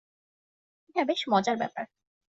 এটা বেশ মজার ব্যপার।